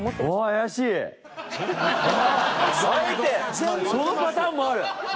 そのパターンもある。